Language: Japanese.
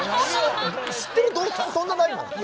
知ってる洞窟そんなないもん。